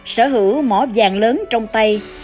sở hữu mỏ vàng lớn trong tay